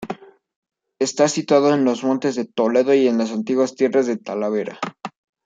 Está situado en los Montes de Toledo y en las antiguas Tierras de Talavera.